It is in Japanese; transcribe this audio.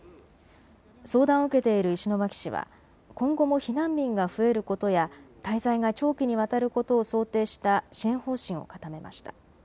相談を受けている石巻市は今後も避難民が増えることや滞在が長期にわたることを想定した支援方針を固めました。